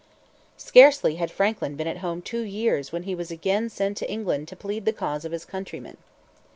Scarcely had Franklin been at home two years when he was again sent to England to plead the cause of his countrymen.